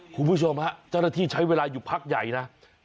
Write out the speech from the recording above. คุณผู้ชมฮะเจ้าหน้าที่ใช้เวลาอยู่พักใหญ่นะ